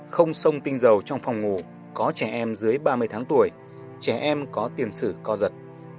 không sông tinh dầu trong phòng ngủ có trẻ em dưới ba mươi tháng tuổi trẻ em có tiền sử co giật